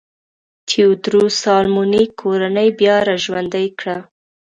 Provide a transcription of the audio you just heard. تیوودروس سالومونیک کورنۍ بیا را ژوندی کړه.